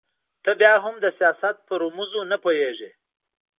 ته بيا هم د سياست په رموزو نه پوهېږې.